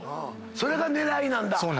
それが狙いなんだ。